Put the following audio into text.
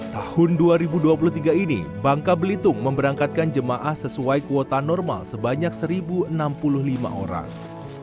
tahun dua ribu dua puluh tiga ini bangka belitung memberangkatkan jemaah sesuai kuota normal sebanyak satu enam puluh lima orang